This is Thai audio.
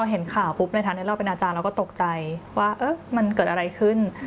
เห็นข่าวปุ๊บในฐานะเราเป็นอาจารย์เราก็ตกใจว่ามันเกิดอะไรขึ้น